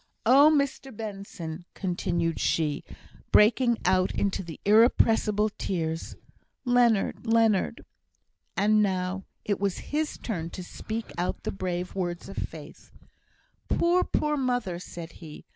Oh, Mr Benson," continued she, breaking out into the irrepressible tears "Leonard, Leonard!" And now it was his turn to speak out the brave words of faith. "Poor, poor mother!" said he.